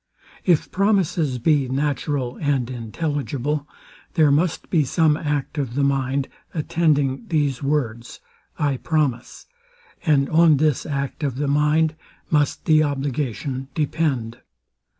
If promises be natural and intelligible, there must be some act of the mind attending these words, I promise; and on this act of the mind must the obligation depend.